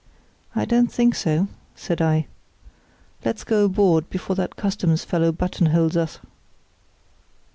"I don't think so," said I. "Let's go aboard before that Customs fellow buttonholes us."